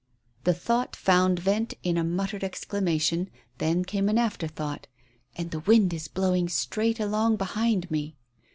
The thought found vent in a muttered exclamation. Then came an afterthought "And the wind is blowing it straight along behind me."